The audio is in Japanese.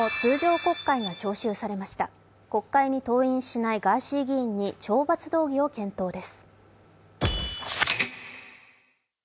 国会に登院しないガーシー議員に懲罰動議を検討です。